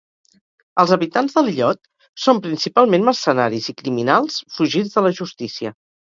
Els habitants de l'illot són principalment mercenaris i criminals fugits de la justícia.